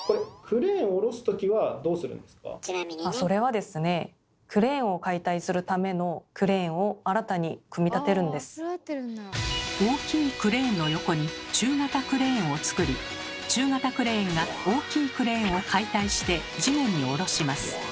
あっそれはですね大きいクレーンの横に中型クレーンをつくり中型クレーンが大きいクレーンを解体して地面に下ろします。